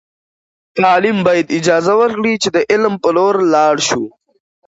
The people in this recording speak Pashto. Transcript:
تعلیم باید اجازه ورکړي چې د علم په لور لاړ سو.